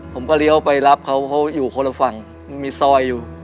ผมก็เลียวไปรับเขาเพราะว่าอยู่คนละฝั่งมีสร้อยอยู่